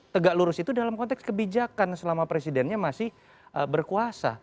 tegak lurus itu dalam konteks kebijakan selama presidennya masih berkuasa